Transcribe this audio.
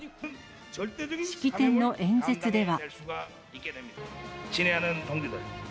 式典の演説では。